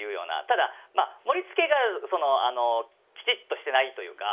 ただまあ盛りつけがそのきちっとしてないというか。